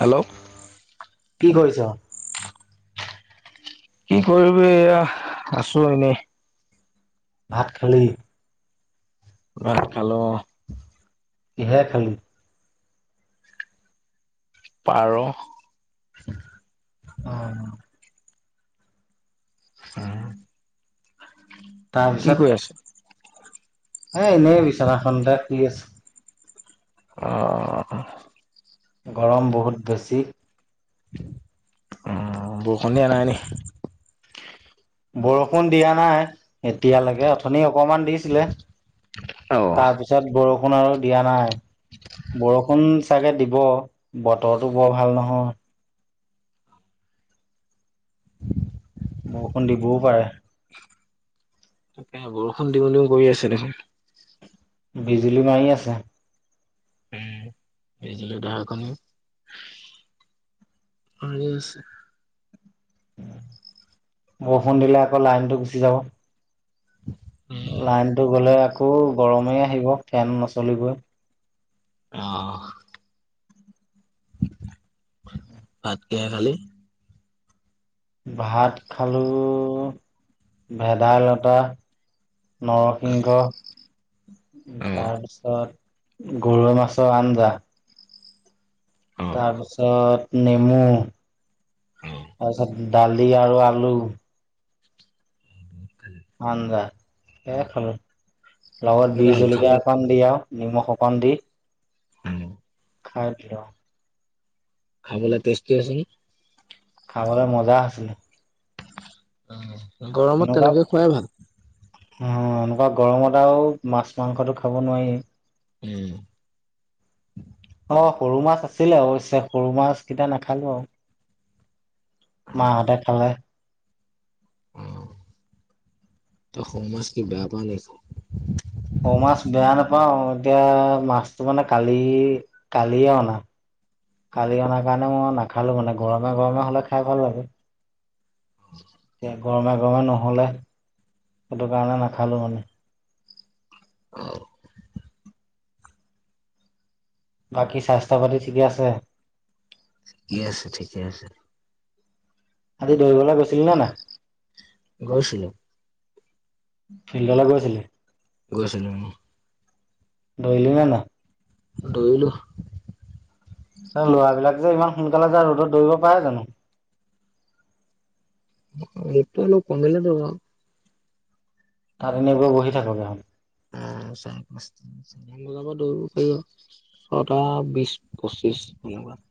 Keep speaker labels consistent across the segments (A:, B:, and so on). A: Hello
B: কি কৰিছা?
A: কি কৰিবি এইয়া আছো এনেই।
B: ভাত খালি?
A: ভাত খালো অ'।
B: কিহেৰে খালি?
A: পা'ৰ।
B: অ'।
A: উম
B: তাৰপিছত? এ এনেই বিচনাখনতে শুই আছো।
A: অ
B: গৰম বহুত বেছি।
A: অ' বৰষুণ দিয়া নাই নি?
B: বৰষুণ দিয়া নাই। এতিয়ালৈকে অথনি অকমান দিছিলে।
A: অ
B: তাৰপিছত বৰ ষুণ আৰু দিয়া নাই। বৰষুণ চাগে দিব বতৰটো বৰ ভাল নহয়। বৰষুণ দিবও পাৰে।
A: তাকে বৰষুণ দিওঁ দিওঁ কৰি আছে দেখোন।
B: বিজুলী মাৰি আছে।
A: উম, বিজুলী-ঢেৰেকণী মাৰি আছে।
B: বৰষুণ দিলে আকৌ লাইনটো গুচি যাব। লাইনটো গ'লে আকৌ গৰমেই আহিব ফেন নচলিবই
A: অ'। ভাত কিহেৰে খালি?
B: ভাত খালো ভেদাইলতা। নৰসিংহ
A: অ
B: তাৰপিছত গৰৈ মাছৰ আঞ্জা।
A: অ
B: তাৰপিছত নেমু,
A: অ
B: তাৰপিছত দালি আৰু আলু। আঞ্জা সেয়ে খালো, লগত
A: কেনেকুৱা হ'ল খাব
B: বিজলকীয়া অকন। দি আৰু নিমখ অকণ দি।
A: [inaudible]
B: খাই দিলো।
A: খাবলে টেষ্টি আছে নে?
B: খাবলে মজা আছিলে।
A: অ' গৰমত
B: এনেকুৱা
A: তেনেকে খুৱাই ভাল।
B: অ' এনেকুৱা গৰমত আৰু মাছ মাংসটো খাব নোৱাৰিয়ে।
A: উম।
B: অ সৰু মাছ আছিলে অৱশ্যে, সৰু মাছ কেইটা নাখালো আও। মাহঁতে খালে।
A: অঁ, তই সৰু মাছ কি বেয়া পোৱা নে কি খাবলে?
B: সৰু মাছ বেয়া নাপাওঁ, এতিয়া মাছটো মানে কালি কালিয়ে অনা। কালি অনাৰ কাৰণে মই নাখালোঁ মানে, গৰমে গৰমে হ'লে খাই ভাল লাগে।
A: [inaudible]
B: এতিয়া গৰমে গৰমে নহ'লে সেইটো কাৰণে নাখালোঁ মানে।
A: [inaudible]
B: বাকী স্বাস্থ্য পাতি ঠিকে আছে।
A: ঠিকে আছে ঠিকে আছে।
B: আজি দৌৰিবলৈ গৈছিলি নে নাই?
A: গৈছিলো।
B: ফিল্ডলৈ গৈছিলি?
A: গৈছিলো উমঃ।
B: দৌৰিলে নে নাই?
A: দৌৰিলো।
B: এই ল'ৰাবিলাক যে ইমান সোনকালে যায় ৰ'দত দৌৰিব পাৰে জানো।
A: ৰ'দটো অলপ কমিলে দৌৰো আৰু।
B: তাত এনে গৈ বহি থাকগে আও।
A: অঁ, চাৰে পাঁচটাত। ছয়টামান বজাৰ পৰা দৌৰিব পাৰি আৰু ছটা বিশ পঁচিশ তেনেকুৱাত।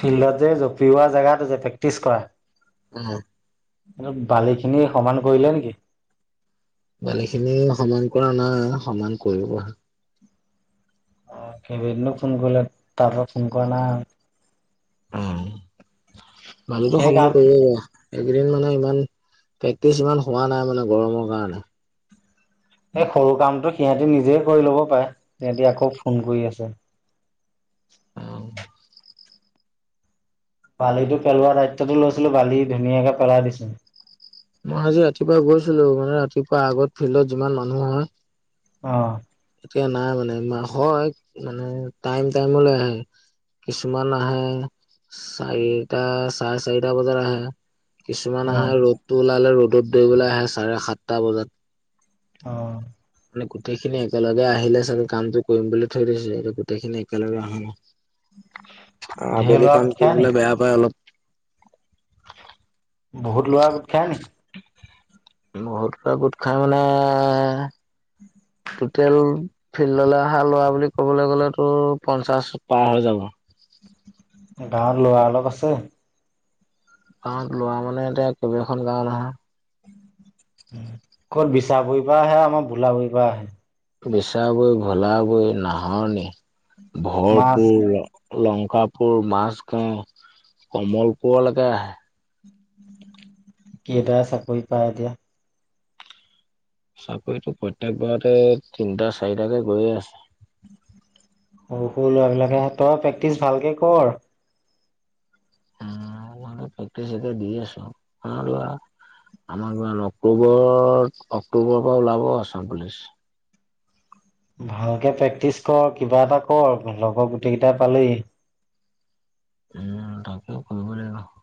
B: ফিল্ডত যে জঁপিওৱা জেগাটো যে প্ৰেক্টিচ কৰা।
A: উমহ।
B: সেইটো বালিখিনি সমান কৰিলে নেকি?
A: বালিখিনি সমান কৰা নাই, সমান কৰিবহে।
B: অ কেইদিননো ফোন কৰিলে, তাৰ পৰা ফোন কৰা নাই।
A: উম, বালিটো
B: সেই কাম
A: সমান কৰিব বাৰু। এইকেইদিন মানে ইমান প্ৰেক্টিচ ইমান হোৱা নাই মানে গৰমৰ কাৰণে।
B: এই সৰু কামটো সিহঁতি নিজে কৰি ল'ব পাৰে, সিহঁতি আকৌ ফোন কৰি আছে।
A: উম।
B: বালিটো পেলোৱা দায়িত্বটো লৈছিলো বালি ধুনীয়াকে পেলাই দিছিলো।
A: মই আজি ৰাতিপুৱা গৈছিলো, মানে ৰাতিপুৱা আগত ফিল্ডত যিমান মানুহ হয়।
B: অঁ।
A: এতিয়া নাই মানে, নহয় মানে টাইম টাইমলৈ আহে। কিছুমান আহে, চাৰিটা চাৰে চাৰিটা বজাত আহে। কিছুমান
B: অ
A: আহে ৰ'দটো ওলালে ৰ'দত দৌৰিবলৈ আহে চাৰে সাতটা বজাত।
B: অঁ।
A: মানে গোটেইখিনি একেলগে আহিলে কামটো কৰিম বুলি থৈ দিছোঁ, গোটেইখিনি একেলগে অহা নাই। অঁ
B: ঢেৰ
A: আবেলি
B: ল'ৰা গোট
A: কাম
B: খাই নি
A: কৰিবলে বেয়া পায় অলপ।
B: বহুত ল'ৰা গোট খায় নেকি?
A: বহুত কেইটা গোট খাই পেলাই
B: [inaudible]
A: টুটেল, ফিল্ডলৈ অহা ল'ৰা বুলি ক'বলৈ গ'লে তোৰ, পঞ্চাশ পাৰ হৈ যাব।
B: গাঁৱত ল'ৰা অলপ আছে।
A: গাঁৱত ল'ৰা মানে এতিয়া, কেইবাখন গাঁও নহয়।
B: ক'ত বিচাবুৰিৰ পৰা আহে, আমাৰ ভোলাবুৰিৰ পৰা আহে?
A: বিচা বৈ, ভোলা বৈ, নাহৰনি,
B: মাছ
A: ভৰপূৰ লংকাপুৰ, মাছ গাঁও, কমল পুৰলৈকে আহে।
B: কেইটাই চাকৰি পায় এতিয়া?
A: চাকৰিটো প্ৰত্যেক বাৰতে, তিনিটা, চাৰিটাকে গৈয়ে আছে।
B: সৰু সৰু ল'ৰাবিলাকেহে, তই প্ৰেক্টিচ ভালকে কৰ।
A: উম মইনো প্ৰেক্টিচ এতিয়া দি আছো আৰু আ। আমাৰ কিমান অক্টোবৰত অক্টোবৰৰ পৰা ওলাব আসাম পুলিচ।
B: ভালকে প্ৰেক্টিচ কৰ কিবা এটা কৰ, লগৰ গোটেই কেইটাই পালেই।
A: উম, তাকে কৰিব লাগিব।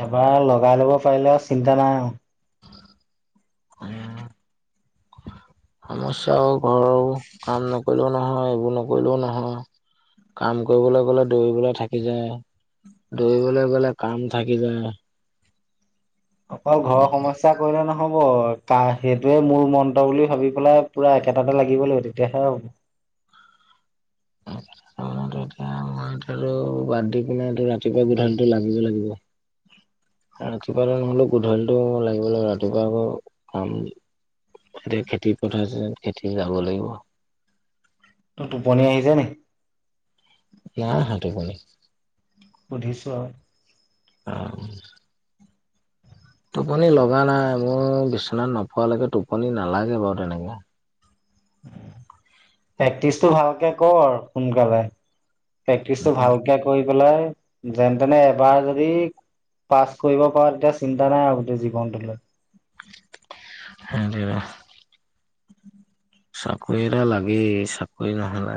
B: এবাৰ লগাই ল'ব পাৰিলে আৰু চিন্তা নাই আৰু।
A: উম সমস্যাও। ঘৰৰো কাম নকৰিলেও নহয়, এইবোৰ নকৰিলেও নহয়। কাম কৰিবলৈ গ'লে দৌৰিবলৈ থাকি যায়। দৌৰিবলৈ গ'লে, কাম থাকি যায়।
B: অকল ঘৰৰ সমস্যা। কৰিলে নহ'ব কা সেইটোৱে মোৰ মন্ত্ৰ বুলি ভাবি পেলাই, পুৰা একেটাতে লাগিব লাগিব তেতিয়াহে হ'ব। [inaudible]
A: কাম এতিয়াটো বাদ দি পিনে, ৰাতিপুৱা গধূলিটো লাগিব লাগিব। ৰাতিপুৱা নহ'লেও গধূলিটো লাগিব লাগিব, ৰাতিপুৱা আকৌ কাম। এতিয়া খেতি পথাৰ আছে, খেতি যাব লাগিব।
B: তোৰ টোপনি আহিছে নি?
A: নাই অহা টোপনি।
B: সুধিছো আৰু।
A: আও। টোপনি লগা নাই, মোৰ বিচনাত নপৰালৈকে টোপনি নালাগে বাৰু তেনেকে।
B: প্ৰেক্টিচটো ভালকে কৰ সোনকালে। প্ৰেক্টিচটো ভালকে কৰি পেলাই, যেন তেনে এবাৰ যদি। পাছ কৰিব পাৰ, তেতিয়া চিন্তা নাই আৰু গোটেই জীৱনটোলৈ।
A: সেইটোয়েটো। চাকৰি এটা লাগেই চাকৰি নহ'লে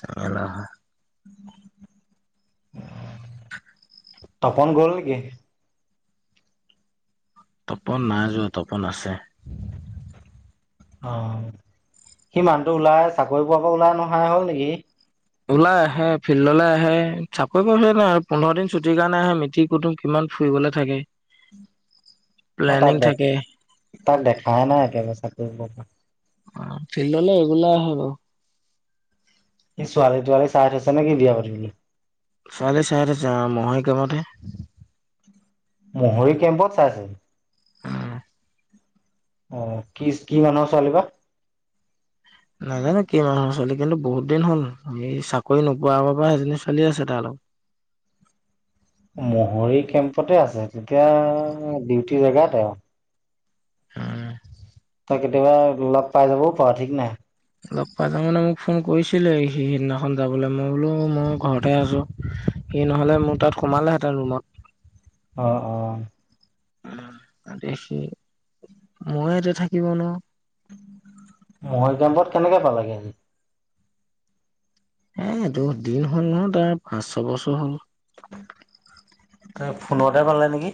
A: জেমেলা হয়।
B: উম। [unintelligible]
A: [inaudible]
B: তপন গ'ল নেকি?
A: তপন নাই যোৱা তপন আছে।
B: অ, সি মানুহটো ওলাই চাকৰি পোৱাৰ পৰা ওলাই নহাই হ'ল নেকি সি।
A: ওলাই আহে ফিল্ডলৈ আহে চাকৰি পোৱা পাছত নহয় পোন্ধৰ দিন ছুটিৰ কাৰণে আহে মিতিৰ কুটুম। কিমান ফুৰিবলৈ থাকে।
B: মই তাক
A: প্লেনিং
B: দে
A: থাকে
B: তাক দেখাই নাই, একেবাৰে চাকৰি পোৱাৰ পৰা।
A: অ ফিল্ডলে ৰেগুলাৰ আহে বাৰু।
B: এই ছোৱালী তোৱালী চাই থৈছ নে কি বিয়া পাতিবলে।
A: ছোৱালী চাই থৈছো অ, মহে কামতে
B: মহৰী কেম্পত চাইছে।
A: উম।
B: অ কি কি মানুহৰ ছোৱালী বা।
A: নাজানো কি মানুহৰ চোৱালী কিন্তু বহুত দিন হ'ল আমি চাকৰি নোপোৱাৰ পৰা সেইজনী চলি আছে তাৰ লগত।
B: মহৰি কেম্পতে আছে তেতিয়া ডিউটিৰ জেগাতে আৰু। তই কেতিয়াবা লগ পাই যাবও পাৰ ঠিক নাই।
A: লগ পাই যাম মানে মোক ফোন কৰিছিলে সি সেইদিনাখন যাবলৈ মই বোলো মই ঘৰতে আছোঁ। সেই নহ'লে মোৰ তাত সোমালেহেঁতেন ৰুমত।
B: অ অ।
A: অ তাতে সি মইয়ে ইয়াতে থাকিব নোৱাৰোঁ।
B: মহৰী কেম্পত কেনেকে পালাগে সি।
A: এ এইটো দিন হ'ল নহয় তাৰ পাঁচ ছয় বছৰ হ'ল।
B: তাৰ ফোনতে পালে নেকি?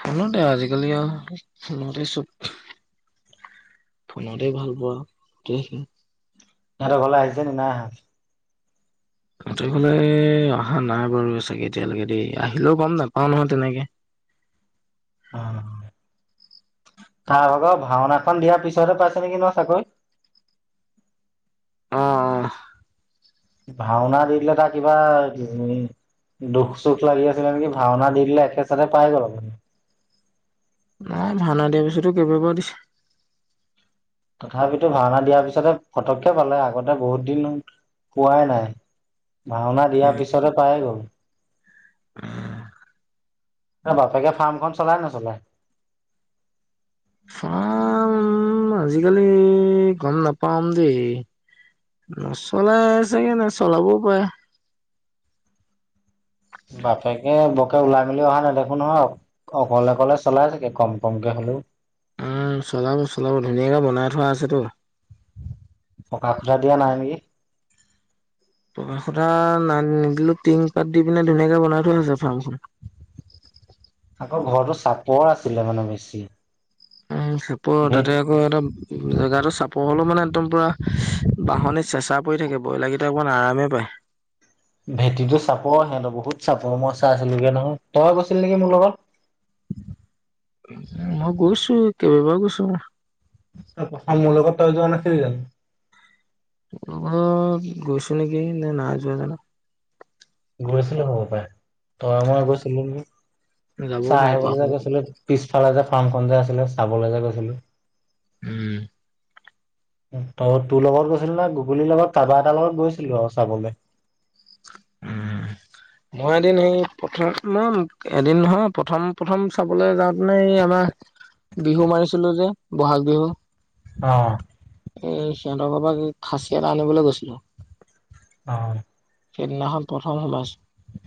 A: ফোনতে আজিকালি আৰু ফোনতে চব। ফোনতেই ভাল পোৱা গোটেইখিনি।
B: তাহাতৰ ঘৰলে আহিছে নেকি নাই অহা।
A: তাহাতৰ ফালে অহা নাই বাৰু চাগে এতিয়ালৈকে দেই আহিলেও গম নেপাও নহয় তেনেকে।
B: অ তাৰ আগৰ পৰা ভাওনাখন দিয়াৰ পিছতে পাইছে নেকি ন চাকৰি।
A: অ অ।
B: ভাওনা দি দিলে তাৰ কিবা। দুখ চুখ লাগি আছিলে নেকি ভাওনা দি দিলে একে চথে পাই গ'ল আৰু সি।
A: নাই ভাওনা দিয়া পিছতো কেইবা বাৰো দিছে।
B: তথাপিতো ভাওনা দিয়াৰ পিছতে ফটককে পালে আগতে বহুত দিন পোৱাই নাই। ভাওনা দিয়াৰ
A: উম,
B: পিছতে পাইয়ে গ'ল। তাৰ বাপেকে ফাৰ্মখন চলাই নে নচলায়।
A: ফাৰ্ম আজিকালি গম নাপাম দেই। নচলাই চাগে নে চলাবও পাৰে।
B: বাপেকে বকে ওলাই মেলি অহা নেদেখো নহয়ক। অকলে অকলে চলাই চাগে কম কমকৈ হ'লেও।
A: উম চলাব চলাব ধুনীয়াকে বনাই থোৱা আছেতো।
B: পকা কুঠা দিয়া নাই নেকি?
A: পকা খুটা নাই নিদিলোও টিং পাত দি পিনে ধুনীয়াকে বনাই থৈ দিছে ফাৰ্মখন।
B: আকৌ ঘৰতো চাপৰ আছিলে মানে বেছি।
A: উম চাপৰ
B: ভে
A: তাতে। আকৌ একদম জেগাটো চাপৰ হ'লেও মানে একদম পুৰা বাহনি চেচা পৰি থাকে। ব্ৰইলাৰকেইটা অকণমান আৰামে পায়।
B: ভেটিটো চাপৰ সিহঁতৰ বহুত চাপৰ মই চাইছিলোগে নহয় তই গৈছিলি নেকি মোৰ লগত।
A: উ মই গৈছোঁ কেইবাবাৰ গৈছোঁ।
B: তাৰ প্ৰথম মোৰ লগত তই যোৱা নাছিলি জানোঁ।
A: তাহাতৰ ঘৰত গৈছোঁ নেকি নে নাই যোৱা জানোঁ।
B: গৈছিলোঁ হব পাৰে তয় মই গৈছিলোঁ নেকী
A: যাবও
B: চাহ
A: পাৰো
B: আহিবলৈ যে
A: পাহৰো
B: গৈছিলোঁ। পিছফালে যে ফাৰ্মখন যে আছিলে চাবলৈ যে গৈছিলোঁ।
A: উম।
B: ত তোৰ লগত গৈছিলি না গুগুলিৰ লগত কাৰাবা এটাৰ লগত গৈছিলো আৰু চাবলৈ।
A: উম।
B: [unintelligible]
A: মই এদিন এই প্ৰথম ম এদিন নহয় প্ৰথম প্ৰথম চাবলৈ যাওঁতেনো এই আমাৰ। বিহু মাৰিছিলোঁ যে বহাগ বিহু।
B: অঁ।
A: এই সিহঁতৰ ঘৰৰ পৰা কি খাঁচী এটা আনিবলৈ গৈছিলোঁ।
B: অহ!
A: সেইদিনাখন প্ৰথম সোমাইছোঁ।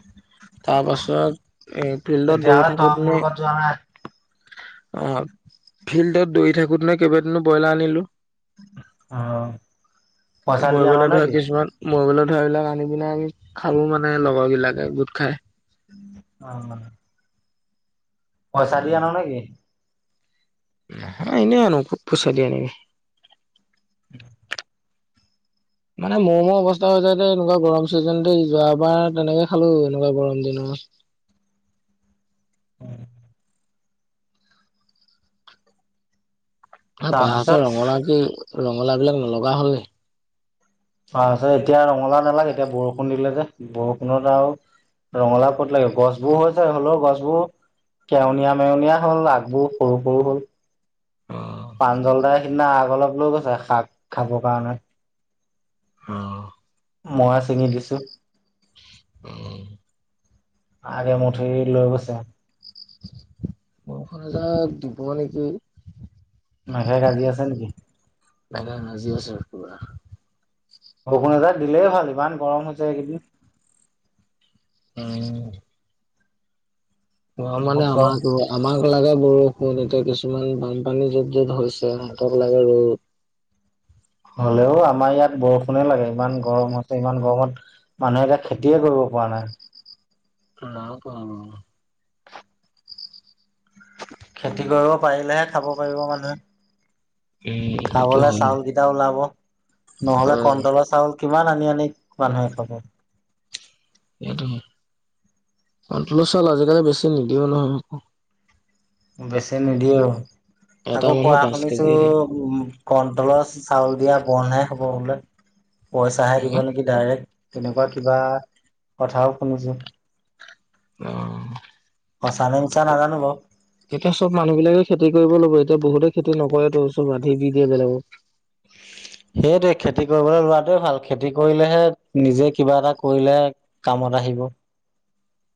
A: তাৰ পাছত এই ফিল্ডত
B: তেতিয়াহ'লে
A: দৌৰি
B: তই
A: থাকোঁতে
B: মোৰ
A: মানে
B: লগত যোৱা নাই
A: অ‍ঁ! ফিল্ডত দৌৰি থাকোঁতে মানে কেইবাদিনো ব্ৰইলাৰ আনিলোঁ।
B: অ পইচা দি
A: মই
B: আন
A: বোলো
B: নে
A: ধৰা
B: কি?
A: কিছুমান মই বোলো ধৰি লওঁক আনি পিনে আমি খালোঁ মানে লগৰ বিলাকে গোট খাই।
B: অঁ! পইচা দি আন নে কি?
A: নহয় এনেই আনো ক'ত পইচা দি আনিম।
B: [inaudible]
A: মানে মৰো-মৰো অৱস্থা হৈ যাই ত' এনেকুৱা গৰম চিজনতে এই যোৱাবাৰ তেনেকে খালো এনেকুৱা গৰম দিনত।
B: উম!
A: এই
B: তাৰপিছত
A: বাহঁতৰ ৰঙালাও কি ৰঙালাও বিলাক নলগা হ'ল নি?
B: তাৰপিছত এতিয়া ৰঙালাও নালাগে এতিয়া বৰষুণ দিলে যে বৰষুণত আৰু ৰঙালাও ক'ত লাগে গছবোৰ হৈছে হ'লেও গছবোৰ কেৱনীয়া-মেওনীয়া হ'ল আগবোৰ সৰু-সৰু হ'ল।
A: অ
B: প্ৰাঞ্জল দাই সিদিনা আগ অলপ লৈ গৈছে শাক খাবৰ কাৰণে।
A: অঁ!
B: মইয়ে চিঙি দিছোঁ।
A: উম!
B: আৰু এমুঠি লৈ গৈছে।
A: বৰষুণ এজাক দিব নেকি?
B: মেঘে গাজি আছে নেকি?
A: মেঘে গাজি আছে পুৰা।
B: বৰষুণ এজাক দিলেই ভাল ইমান গৰম হৈছে এইকেইদিন।
A: উম! গৰম মানে
B: বহুত গৰম
A: আমাৰ [unintelligible] আমাক লাগে বৰষুণ, এতিয়া কিছুমান বানপানী য'ত-য'ত হৈছে সিহঁতক লাগে ৰ'দ।
B: হ'লেও আমাৰ ইয়াত বৰষুণে লাগে। ইমান গৰম হৈছে ইমান গৰমত মানুহে এতিয়া খেতিয়েই কৰিব পৰা নাই।
A: নাই পোৱা অঁ।
B: খেতি কৰিব পাৰিলেহে খাব পাৰিব মানুহে।
A: উম সেইটো
B: খাবলে
A: হয়।
B: চাউল কেইটা ওলাব, নহ'লে কন্টলৰ চাউল কিমান আনি-আনি মানুহে খাব।
A: সেইটোৱেই। কণ্টলৰ চাউল আজিকালি বেছি নিদিয়েও নহয় আকৌ।
B: বেছি নিদিয়েও
A: এটা
B: আকৌ
A: মানুহৰ
B: কোৱা
A: পাঁচ
B: শুনিছোঁ
A: কেজি দিয়ে।
B: উম কণ্টলৰ চাউল দিয়া বন্ধহে হ'ব বোলে। পইচাহে দিব নে কি ডাইৰেক্ট তেনেকুৱা কিবা কথাও শুনিছোঁ।
A: অঁ!
B: সঁচা নে মিছা নাজানো বাৰু।
A: এতিয়া চব মানুহ বিলাকে খেতি কৰিব ল'ব, এতিয়া বহুতে খেতি নকৰেতো চব আধি দি দিয়ে বেলেগক।
B: [inaudible] সেইটোৱেই খেতি কৰিবলৈ লোৱাটোৱেই ভাল। খেতি কৰিলেহে নিজে কিবা এটা কৰিলেহে কামত আহিব।